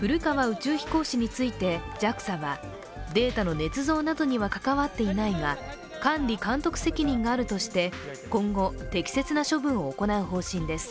宇宙飛行士についてＪＡＸＡは、データのねつ造などには関わっていないが管理監督責任があるとして今後、適切な処分を行う方針です。